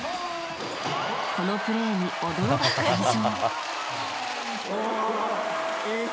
このプレーに驚く会場。